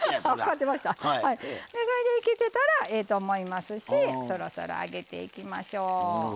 それでいけてたらええと思いますしそろそろ上げていきましょう。